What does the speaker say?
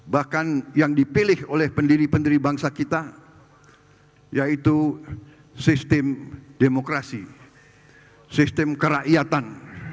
bahkan yang dipilih oleh pendiri pendiri bangsa kita yaitu sistem demokrasi sistem kerakyatan